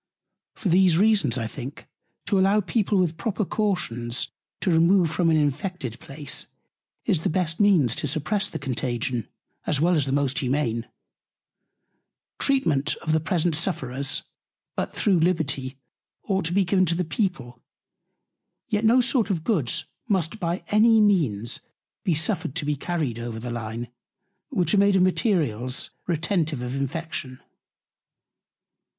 For these Reasons, I think, to allow People with proper Cautions to remove from an infected Place, is the best Means to suppress the Contagion, as well as the most humane Treatment of the present Sufferers: But though Liberty ought to be given to the People, yet no sort of Goods must by any means be suffered to be carried over the Line, which are made of Materials retentive of Infection.